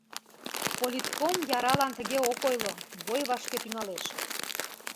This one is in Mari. Политком яралан тыге ок ойло: бой вашке тӱҥалеш...